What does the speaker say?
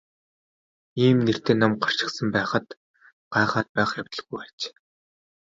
Ийм нэртэй ном гарчихсан байхад гайхаад байх явдалгүй аж.